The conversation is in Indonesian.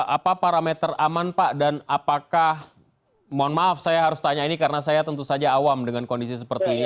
apa parameter aman pak dan apakah mohon maaf saya harus tanya ini karena saya tentu saja awam dengan kondisi seperti ini